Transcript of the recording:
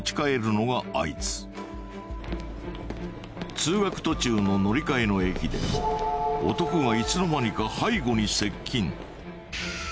通学途中の乗り換えの駅で男がいつの間にか背後に接近。